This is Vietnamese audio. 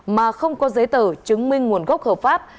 mà không có giấy tờ chứng minh nguồn gốc hợp pháp